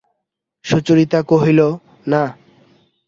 সুচরিতা কহিল, না।